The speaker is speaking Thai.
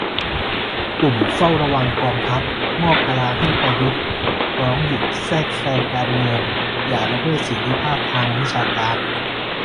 กลุ่มเฝ้าระวังกองทัพ มอบกะลาให้ประยุทธ ร้องหยุดแทรกแซงการเมือง อย่าละเมิดเสรีภาพทางวิชาการ